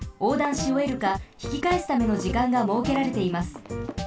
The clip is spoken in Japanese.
しおえるかひきかえすための時間がもうけられています。